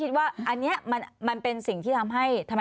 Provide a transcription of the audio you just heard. ว่าอันนี้มันเป็นสิ่งที่ทำให้ทำไม